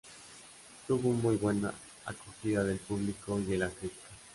Tuvo muy buena acogida del público y de la crítica.